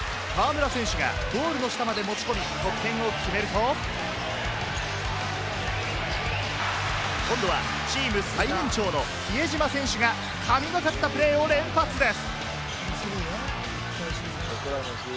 河村選手がゴールの下まで持ち込み、得点を決めると、今度はチーム最年長の比江島選手が神がかったプレーを連発です。